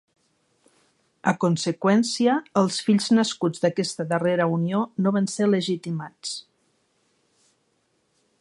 A conseqüència els fills nascuts d'aquesta darrera unió no van ser legitimats.